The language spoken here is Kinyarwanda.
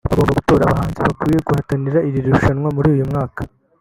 bagomba gutora abahanzi bakwiye guhatanira iri rushanwa muri uyu mwaka